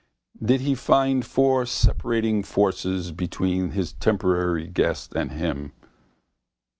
Did he find four separating forces between his temporary guest and him?